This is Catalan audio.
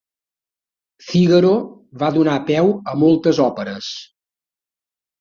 Fígaro va donar peu a moltes òperes.